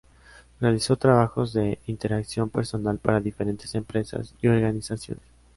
Realizó trabajos de interacción personal para diferentes empresas y organizaciones.